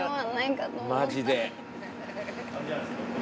マジで。